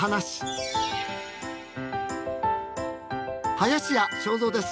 林家正蔵です。